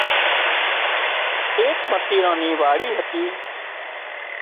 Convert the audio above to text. ايڪ متيران نِي واڙي هتي